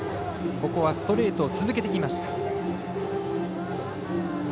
ここはストレートを続けてきました。